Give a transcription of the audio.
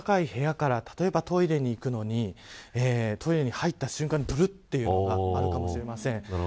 温かい部屋から例えばトイレ行くのにトイレに入った瞬間にぶるっとなるかもしれません。